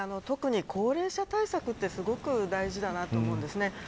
特に高齢者対策ってすごく大事だなと思います。